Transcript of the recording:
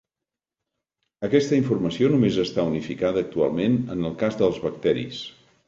Aquesta informació només està unificada actualment en el cas dels bacteris.